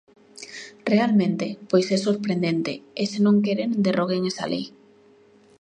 Realmente, pois é sorprendente, e se non queren derroguen esa lei.